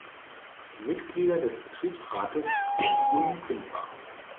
Mitglieder des Betriebsrats sind unkündbar.